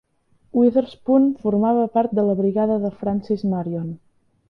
Witherspoon formava part de la brigada de Francis Marion.